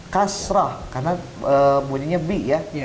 kasrah karena bunyinya bi ya